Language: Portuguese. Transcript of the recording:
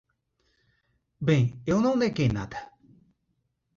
Bem, eu não neguei nada.